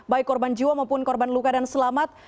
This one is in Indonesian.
baik korban jiwa maupun korban luka dan selamat